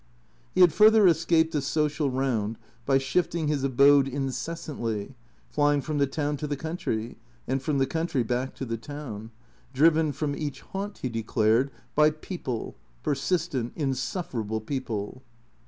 He had further escaped the social round by shifting his abode incessantly, flying from the town to the country, and from the country back to the town, driven from each haunt, he declared, by people, persistent, insufferable people.